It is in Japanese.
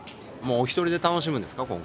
お一人で楽しむんですか？